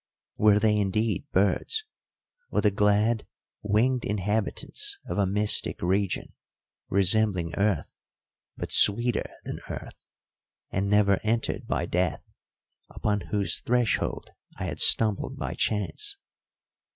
Were they indeed birds, or the glad, winged inhabitants of a mystic region, resembling earth, but sweeter than earth and never entered by death, upon whose threshold I had stumbled by chance?